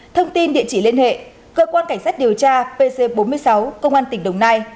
thông tin địa chỉ liên hệ cơ quan cảnh sát điều tra pc bốn mươi sáu công an tỉnh đồng nai